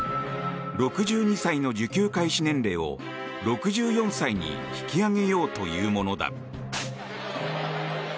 ６２歳の受給開始年齢を６４歳に引き上げようというものだ。